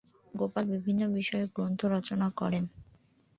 গোপাল বিভিন্ন বিষয়ে গ্রন্থ রচনা করেন।